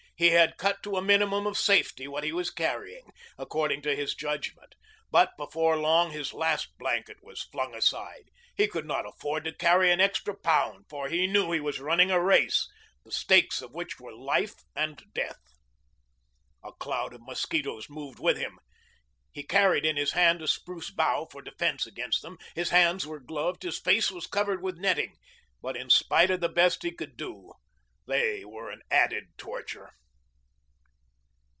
He had cut to a minimum of safety what he was carrying, according to his judgment. But before long his last blanket was flung aside. He could not afford to carry an extra pound, for he knew he was running a race, the stakes of which were life and death. A cloud of mosquitoes moved with him. He carried in his hand a spruce bough for defense against them. His hands were gloved, his face was covered with netting. But in spite of the best he could do they were an added torture.